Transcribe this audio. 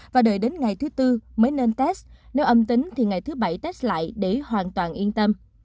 và đợi đến ngày thứ tư mới nên test nếu âm tính thì ngày thứ bảy test lại để hoàn toàn yên tâm